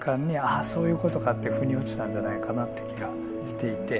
あそういうことかって腑に落ちたんじゃないかなって気がしていて。